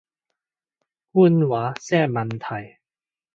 官話先係問題